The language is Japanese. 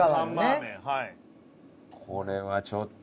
これはちょっと。